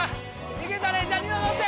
いけたねじゃあニノ乗って。